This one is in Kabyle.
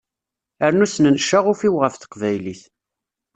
Rnu snen ccaɣuf-iw ɣef teqbaylit.